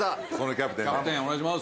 キャプテンお願いします。